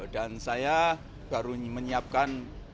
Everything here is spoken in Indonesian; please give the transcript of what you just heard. dan saya baru menyiapkan